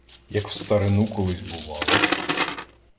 Як в старину колись бувало